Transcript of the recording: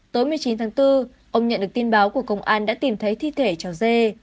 tối một mươi chín tháng bốn ông nhận được tin báo của công an đã tìm thấy thi thể cháu dê